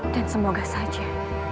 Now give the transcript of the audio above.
dan semoga saja